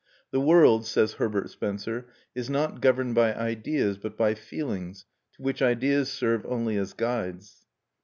"The world," says Herbert Spencer, "is not governed by ideas, but by feelings, to which ideas serve only as guides."